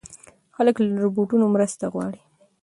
خلک له روباټونو مرسته غواړي.